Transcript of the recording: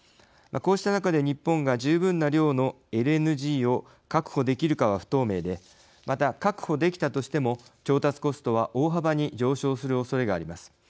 こうした中で日本が十分な量のＬＮＧを確保できるかは不透明でまた、確保できたとしても調達コストは大幅に上昇するおそれがあります。